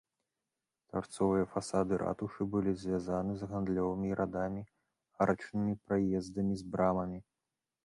Тарцовыя фасады ратушы былі звязаны з гандлёвымі радамі арачнымі праездамі з брамамі.